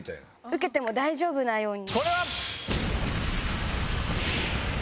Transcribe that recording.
受けても大丈夫なように。